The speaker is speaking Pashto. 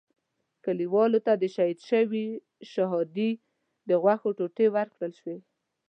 کلیوالو ته د شهید شوي شهادي د غوښو ټوټې ورکړل شوې.